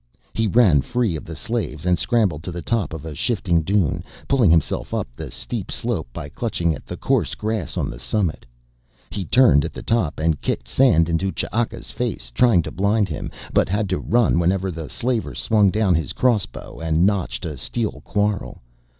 He ran free of the slaves and scrambled to the top of a shifting dune, pulling himself up the steep slope by clutching at the coarse grass on the summit. He turned at the top and kicked sand into Ch'aka's face, trying to blind him, but had to run when the slaver swung down his crossbow and notched a steel quarrel.